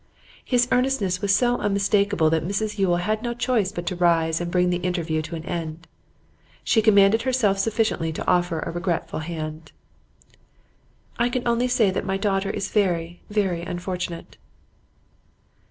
His earnestness was so unmistakable that Mrs Yule had no choice but to rise and bring the interview to an end. She commanded herself sufficiently to offer a regretful hand. 'I can only say that my daughter is very, very unfortunate.